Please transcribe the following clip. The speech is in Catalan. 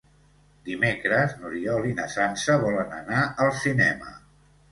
Dimecres n'Oriol i na Sança volen anar al cinema.